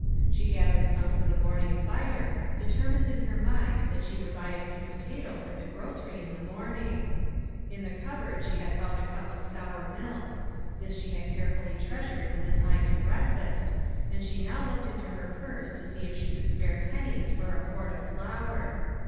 She gathered some for the morning fire, determined in her mind that she would buy a few potatoes at the grocery in the morning ! In the cupboard she had found a cup of sour milk ; this she had care fully treasured with an eye to breakfast, and she now looked into her purse to see if she could spare pennies for a quart of flour.